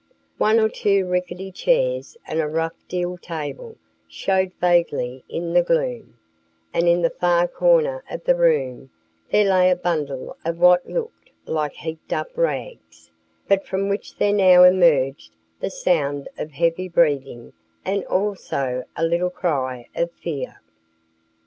One or two rickety chairs and a rough deal table showed vaguely in the gloom, and in the far corner of the room there lay a bundle of what looked like heaped up rags, but from which there now emerged the sound of heavy breathing and also a little cry of fear.